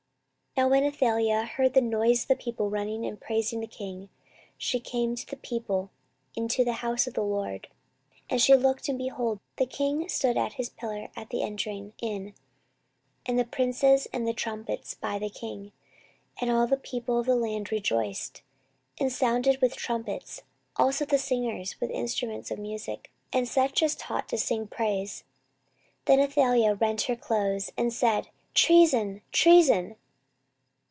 14:023:012 Now when Athaliah heard the noise of the people running and praising the king, she came to the people into the house of the LORD: 14:023:013 And she looked, and, behold, the king stood at his pillar at the entering in, and the princes and the trumpets by the king: and all the people of the land rejoiced, and sounded with trumpets, also the singers with instruments of musick, and such as taught to sing praise. Then Athaliah rent her clothes, and said, Treason, Treason.